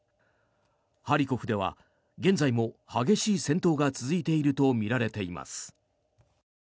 ハリコフでは現在も激しい戦闘が続いているとみられています。